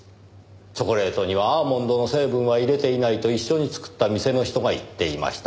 チョコレートにはアーモンドの成分は入れていないと一緒に作った店の人が言っていました。